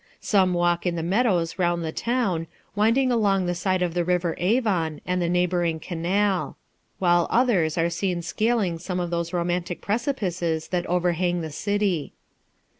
Some walk in the meadows round the town, winding along the side of the river Avon and the neighbouring canal ; while others are seen scaling some of those romantic precipices that overhang the city.